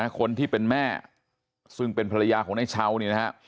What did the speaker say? คนที่เป็นแม่ซึ่งเป็นภรรยาของนายเชาท์